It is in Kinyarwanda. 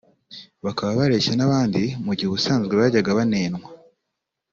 bakaba bareshya n’abandi mu gihe ubusanzwe bajyaga banenwa